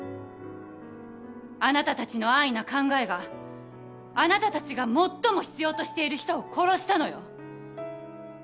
あなたたちの安易な考えがあなたたちが最も必要としている人を殺したのよ。